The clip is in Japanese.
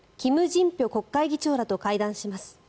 ・ジンピョ国会議長らと会談します。